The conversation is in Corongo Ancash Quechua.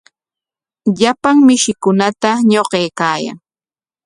Llapan mishikunata ñawyaykaayan.